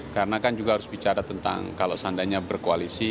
karena kan juga harus bicara tentang kalau seandainya berkoalisi